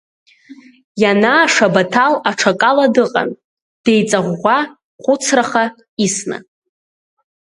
Ианааша Баҭал аҽакала дыҟан, деиҵаӷәӷәа, хәыцраха исны.